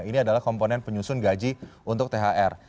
ini adalah komponen penyusun gaji untuk thr